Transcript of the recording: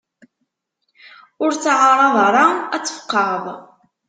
Ur ttεaraḍ ara ad tfeqεeḍ.